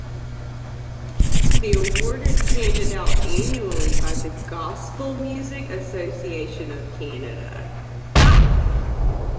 The award is handed out annually by the Gospel Music Association of Canada.